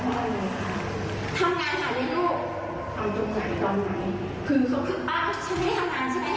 ซึ่งค่ะเอาสัตว์เอาสัตว์เอาสัตว์เอาสัตว์เอาสัตว์